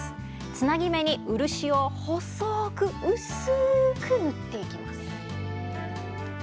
つなぎ目に漆を細く薄く塗っていきます。